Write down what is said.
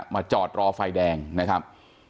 จอดรอไฟแดงนะครับ